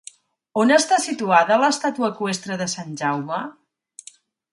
On està situada l'estàtua eqüestre de Sant Jaume?